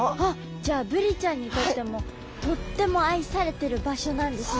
じゃあブリちゃんにとってもとっても愛されてる場所なんですね